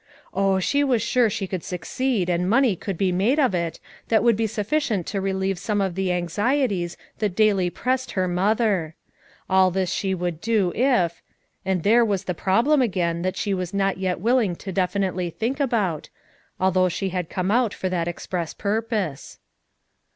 Oh, she was sure she could succeed and money could be made out of it that would be sufficient to re lieve some of the anxieties that daily pressed her mother. All this she would do if — and there was the problem again that she was not yet willing to definitely think about, although she had come out for that express purpose.